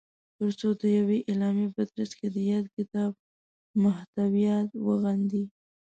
تر څو د یوې اعلامیې په ترځ کې د یاد کتاب محتویات وغندي